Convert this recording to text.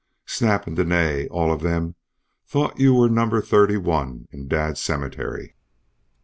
Snap and Dene, all of them, thought you were number thirty one in dad's cemetery."